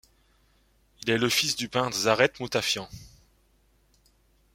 Il est le fils du peintre Zareh Mutafian.